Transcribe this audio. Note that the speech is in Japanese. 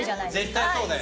絶対そうだよ。